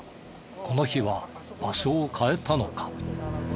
この日は場所を変えたのか？